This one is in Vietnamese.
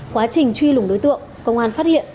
quá trình truy lùng đối tượng công an phát hiện